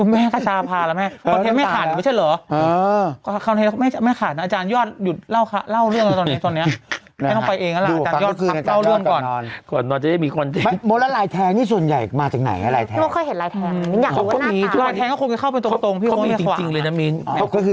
ไม่งั้นตาพาแล้วแม่ค้นไทปราณไม่ขาดไม่ใช่หรือ